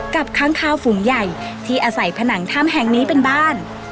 ค้างคาวฝูงใหญ่ที่อาศัยผนังถ้ำแห่งนี้เป็นบ้าน